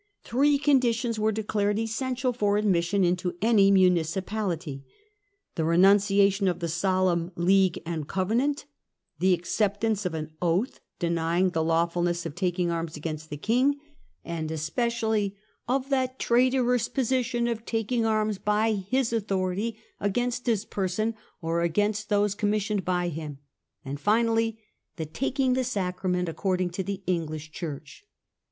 Three conditions were declared essential for admission into any municipality : the renunciation of the Solemn League and Covenant ; the acceptance of an oath denying the lawfulness of taking arms against the King, and especially of ' that traitorous position of taking arms by his authority against his person or against those com missioned by him ; 1 and finally the taking the Sacrament according to the English Church.